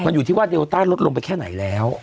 มันอยู่ที่ว่าเดลต้าลดลงไปแค่ไหนแล้ว